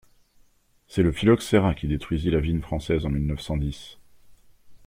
C'est le phylloxera qui détruisit la vigne française en mille-neuf-cent-dix.